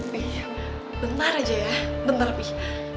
bentar aja ya bentar lebih